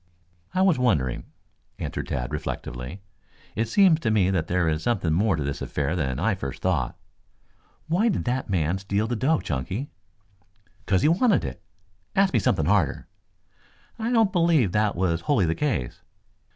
"I was wondering," answered Tad reflectively. "It seems to me that there is something more to this affair than I first thought. Why did that man steal the doe, Chunky?" "'Cause he wanted it. Ask me something harder." "I don't believe that was wholly the case."